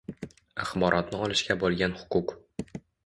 axborotni olishga bo‘lgan huquq